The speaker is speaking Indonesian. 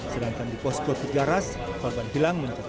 sedangkan di posko tegaras korban hilang mencapai satu ratus lima orang